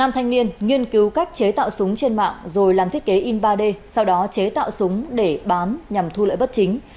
năm thanh niên nghiên cứu cách chế tạo súng trên mạng rồi làm thiết kế in ba d sau đó chế tạo súng để bán nhằm thu lợi bất chính